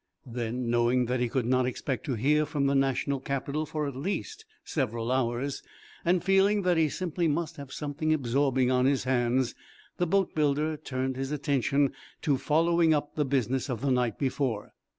"_ Then, knowing that he could not expect to hear from the national capital for at least several hours, and feeling that he simply must have something absorbing on his, hands, the boatbuilder turned his attention to following up the business of the night before.